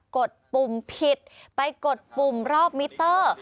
ดปุ่มผิดไปกดปุ่มรอบมิเตอร์